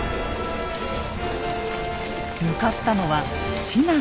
向かったのは信濃。